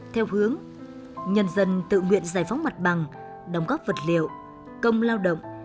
theo hướng nhân dân tự nguyện giải phóng mặt bằng đóng góp vật liệu công lao động